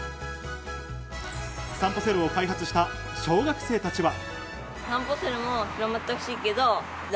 さんぽセルを開発した小学生たちは。